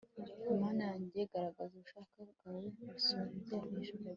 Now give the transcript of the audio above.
mana yanjye, garagaza ububasha bwawe busumbye ijuru